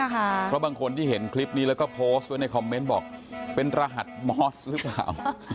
เพราะบางคนที่เห็นคลิปนี้แล้วก็โพสต์ไว้ในคอมเมนต์บอกเป็นรหัสมอสหรือเปล่า